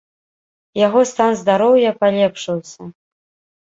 Яго стан здароўя палепшыўся.